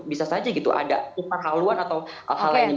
bisa saja gitu ada tukar haluan atau hal lain